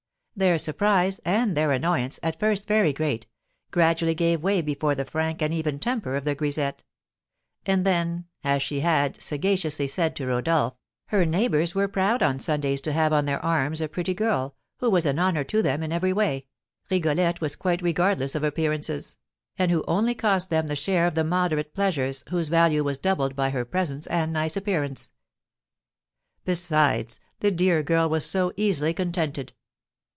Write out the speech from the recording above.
Their surprise and their annoyance, at first very great, gradually gave way before the frank and even temper of the grisette; and then, as she had sagaciously said to Rodolph, her neighbours were proud on Sundays to have on their arms a pretty girl, who was an honour to them in every way (Rigolette was quite regardless of appearances), and who only cost them the share of the moderate pleasures, whose value was doubled by her presence and nice appearance. Besides, the dear girl was so easily contented!